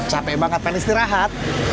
capek banget pengen istirahat